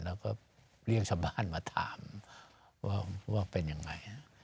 แล้วก็เรียกชาวบ้านมาถามว่าเป็นยังไง